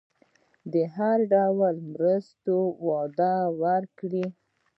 د هر ډول مرستو وعده ورکړي.